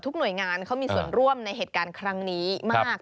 หน่วยงานเขามีส่วนร่วมในเหตุการณ์ครั้งนี้มาก